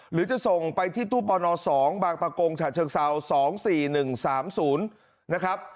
หรือจะส่งไปที่ตู้ปอนด์ออดสองบางประกงฉะเชิงสาวสองสี่หนึ่งสามศูนย์นะครับ